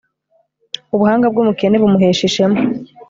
ubuhanga bw'umukene bumuhesha ishema